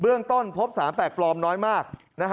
เรื่องต้นพบสารแปลกปลอมน้อยมาก